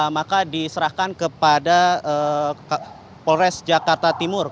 maka diserahkan kepada polres jakarta timur